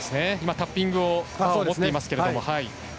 タッピングバーを持っていますけども。